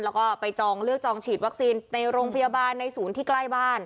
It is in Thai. แล้วก็ไปจองเลือกจองฉีดวัคซีนในโรงพยาบาลในศูนย์ที่ใกล้บ้าน